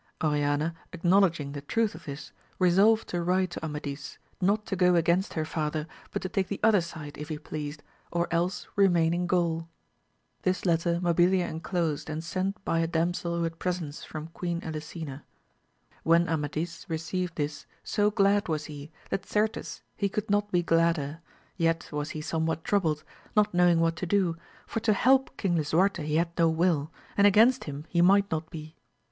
Oriana acknowledging the truth of this resolved to write to Amadis, not to go against her father, but to take the other side if he pleased, or else remain in Gaul. This letter Mabilia enclosed, and sent by a damsel who had presents from Queen Elisena. When Amadis received this so glad was he, that cartes he could not be gladder, yet was he somewhat troubled, not knowing what to do, for to help King Lisuarte he had no will, and against him he might not be.